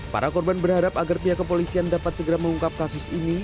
para korban berharap agar pihak kepolisian dapat segera mengungkap kasus ini